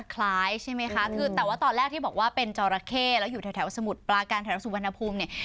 คล้ายใช่ไหมคะคือแต่ว่าตอนแรกที่บอกว่าเป็นจอราเข้แล้วอยู่แถวสมุทรปลาการแถวสุวรรณภูมิเนี่ย